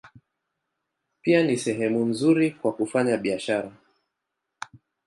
Pia ni sehemu nzuri kwa kufanya biashara.